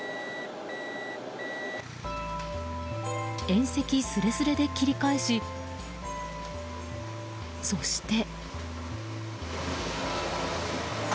縁石すれすれで切り返しそして。